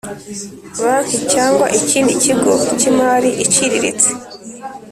Banki cyangwa ikindi kigo cy imari iciriritse